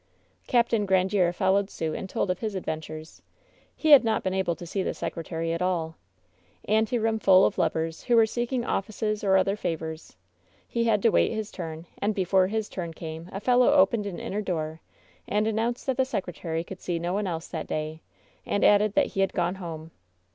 Capt. Grandiere followed suit and told of his adven tures. He had not been able to see the secretary at all. Anteroom full of lubbers who were seeking oiBces or other favors. He had to wait his turn, and before his turn came a fellow opened an inner door and announced that the secretary could see no one else that day, and added that he had gone home.